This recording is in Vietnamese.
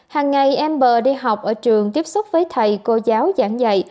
hằng ngày em bờ đi học ở trường tiếp xúc với thầy cô giáo giảng dạy